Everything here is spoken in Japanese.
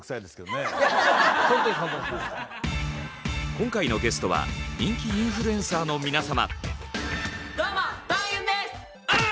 今回のゲストは人気インフルエンサーの皆様。